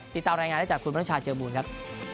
ติดตามรายงานได้จากคุณบริษัทเจอบูรณ์ครับ